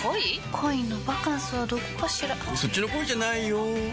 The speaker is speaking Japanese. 恋のバカンスはどこかしらそっちの恋じゃないよ